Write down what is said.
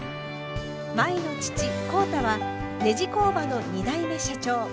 舞の父浩太はネジ工場の２代目社長。